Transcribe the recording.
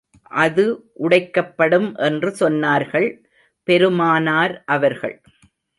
அது உடைக்கப்படும் என்று சொன்னார்கள் பெருமானார் அவர்கள்.